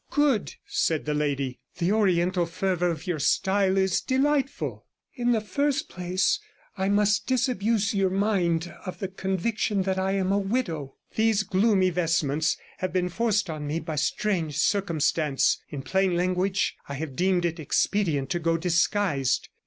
'Good,' said the lady, 'the Oriental fervour of your style is delightful. In the first place, I must disabuse your mind of the conviction that I am a widow. These gloomy vestments have been forced on me by strange circumstance; in plain language, I have deemed it expedient to go disguised.